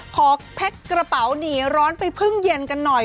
แพ็คกระเป๋าหนีร้อนไปพึ่งเย็นกันหน่อย